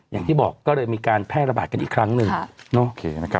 อย่างที่บอกก็เลยมีการแพร่ระบาดกันอีกครั้งหนึ่ง